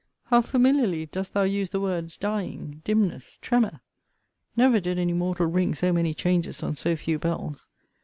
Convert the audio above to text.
How familiarly dost thou use the words, dying, dimness, tremor? Never did any mortal ring so many changes on so few bells.